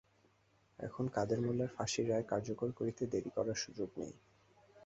এখন কাদের মোল্লার ফাঁসির রায় কার্যকর করতে দেরি করার সুযোগ নেই।